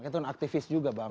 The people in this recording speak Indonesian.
itu aktifis juga bang